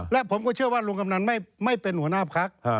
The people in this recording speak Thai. และผมก็เชื่อว่าลุงกำนันไม่เป็นหัวหน้าพัก